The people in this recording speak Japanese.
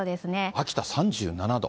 秋田３７度。